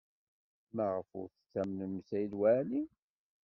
Maɣef ur tettamnem Saɛid Waɛli?